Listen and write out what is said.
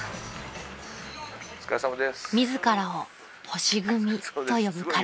［自らを星組と呼ぶ彼ら］